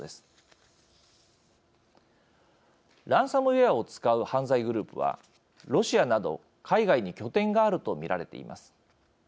ウェアを使う犯罪グループはロシアなど海外に拠点があるとみられています。